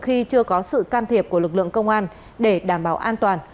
khi chưa có sự can thiệp của lực lượng công an để đảm bảo an toàn